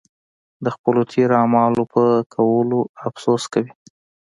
د خپلو تېرو اعمالو پر کولو افسوس کوي.